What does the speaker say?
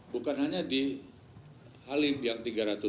bukan hanya di halim yang tiga ratus tujuh puluh tujuh